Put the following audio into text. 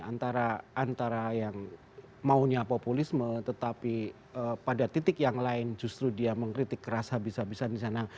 antara antara yang maunya populisme tetapi pada titik yang lain justru dia mengkritik kerasa bisa bisa disana